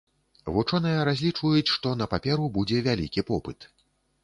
Вучоныя разлічваюць, што на паперу будзе вялікі попыт.